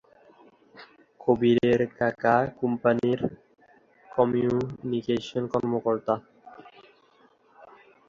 কবিরের কাকা কোম্পানির কমিউনিকেশন কর্মকর্তা।